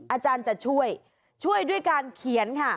อาจารย์จะช่วยช่วยด้วยการเขียนค่ะ